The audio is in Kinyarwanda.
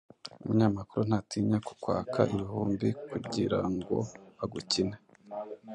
Umunyamakuru ntatinya kukwaka ibihumbi kugirango agukine